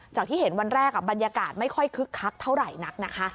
ที่เห็นวันแรกบรรยากาศไม่ค่อยคึกคักเท่าไหร่นักนะคะ